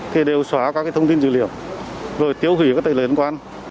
thì đều xóa các cái thông tin dữ liệu rồi tiêu hủy các tài lời liên quan